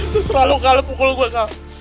seserah lu kak lu pukul gua kak